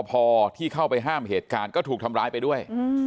พอที่เข้าไปห้ามเหตุการณ์ก็ถูกทำร้ายไปด้วย